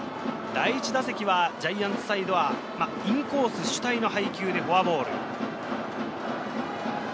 第１打席はジャイアンツサイドはインコース主体の配球でフォアボール。